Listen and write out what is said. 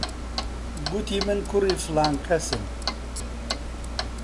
گوتی من کوڕی فڵان کەسم.